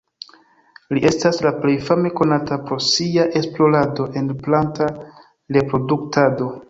Li estas la plej fame konata pro sia esplorado en planta reproduktado.